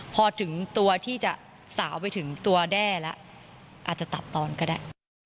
พอถึงตัวที่จะสาวไปถึงตัวแด้แล้วอาจจะตัดตอนก็ได้